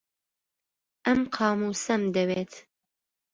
ئەم قامووسەم دەوێت.